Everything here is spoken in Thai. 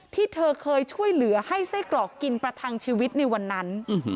ที่เธอเคยช่วยเหลือให้ไส้กรอกกินประทังชีวิตในวันนั้น